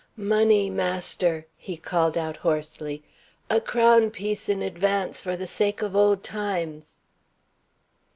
"Money, master!" he called out hoarsely. "A crown piece in advance, for the sake of old times!"